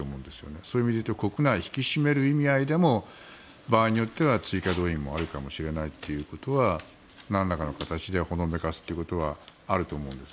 そういう意味で言うと国内を引き締める意味合いでも場合によっては追加動員もあるかもしれないっていうことはなんらかの形でほのめかすということはあると思うんです。